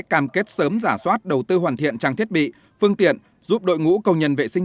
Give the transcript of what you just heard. cam kết sớm giả soát đầu tư hoàn thiện trang thiết bị phương tiện giúp đội ngũ cầu nhân vệ sinh